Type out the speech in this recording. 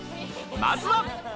まずは。